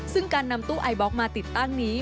ซึ่งการนำตู้ไอบล็อกมาติดตั้งนี้